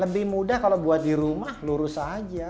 lebih mudah kalau buat di rumah lurus aja